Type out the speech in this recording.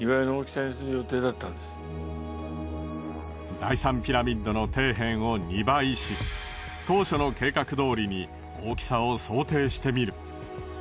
第３ピラミッドの底辺を２倍し当初の計画どおりに大きさを想定してみる。